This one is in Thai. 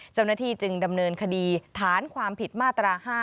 เจ้าหน้าที่จึงดำเนินคดีฐานความผิดมาตรา๕